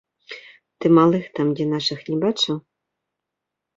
Ты малых там дзе нашых не бачыў?